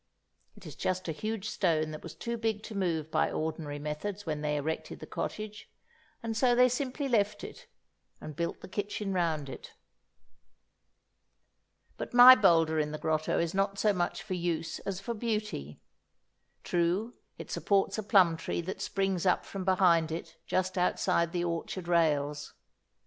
It is just a huge stone that was too big to move by ordinary methods when they erected the cottage, and so they simply left it, and built the kitchen round it. But my boulder in the grotto is not so much for use as for beauty. True, it supports a plum tree that springs up from behind it, just outside the orchard rails.